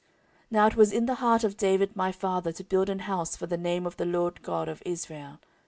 14:006:007 Now it was in the heart of David my father to build an house for the name of the LORD God of Israel.